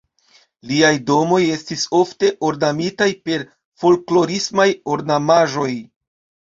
Liaj domoj estis ofte ornamitaj per folklorismaj ornamaĵoj.